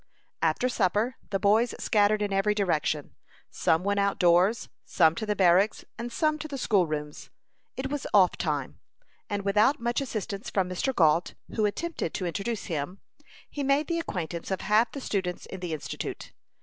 After supper, the boys scattered in every direction. Some went out doors, some to the barracks, some to the school rooms. It was "off time," and without much assistance from Mr. Gault, who attempted to introduce him, he made the acquaintance of half the students in the Institute.